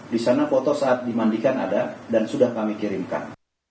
di sana foto saat dimandikan ada dan sudah kami kirimkan